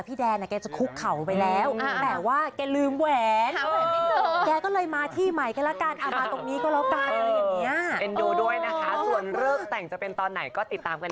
พี่จะดูแลหนูอย่างดีที่สุดนะครับ